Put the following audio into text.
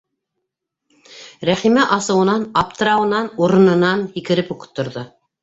Рәхимә асыуынан, аптырауынан урынынан һикереп үк торҙо.